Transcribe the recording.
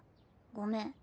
ごめん。